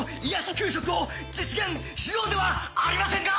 給食を実現しようではありませんか！